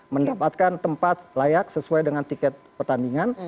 mendapatkan tempat layak sesuai dengan tiket pertandingan